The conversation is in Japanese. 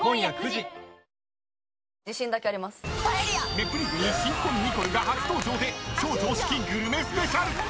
「ネプリーグ」に藤田ニコルが初登場で超常識グルメスペシャル。